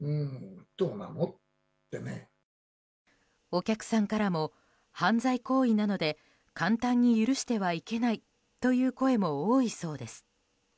お客さんからも犯罪行為なので簡単に許してはいけないという声も多いそうです。